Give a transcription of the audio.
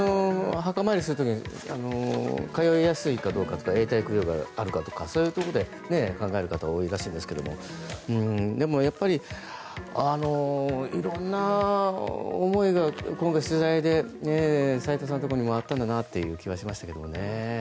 墓参りする時に通いやすいかどうかとか永代供養があるかとかそういうところで考える方が多いらしいですけどやっぱり色んな思いが今回取材で齋藤さんのところにもあっただなという気がしますね。